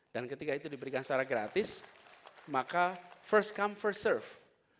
dan ketika itu diberikan secara gratis maka first come first serve